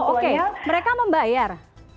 oh oke mereka membayar